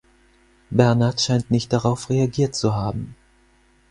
Bernhard scheint nicht darauf reagiert zu haben.